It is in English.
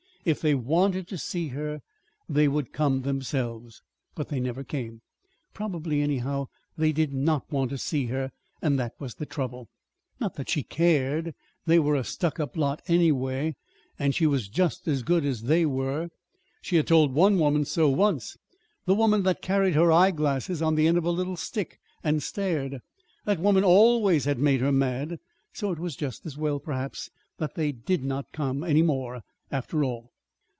If they wanted to see her they would come themselves. But they never came. Probably, anyhow, they did not want to see her; and that was the trouble. Not that she cared! They were a "stuck up" lot, anyway; and she was just as good as they were. She had told one woman so, once the woman that carried her eyeglasses on the end of a little stick and stared. That woman always had made her mad. So it was just as well, perhaps, that they did not come any more, after all.